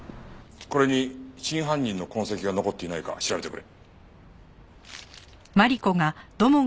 これに真犯人の痕跡が残っていないか調べてくれ。